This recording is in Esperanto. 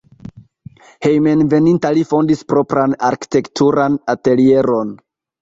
Hejmenveninta li fondis propran arkitekturan atelieron.